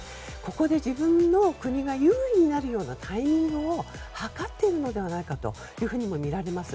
ここで自分の国が優位になるようなタイミングを計っているのではないかともみられます。